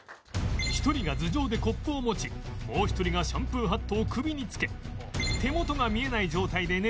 一人が頭上でコップを持ちもう一人がシャンプーハットを首につけ手元が見えない状態で熱湯を注ぐ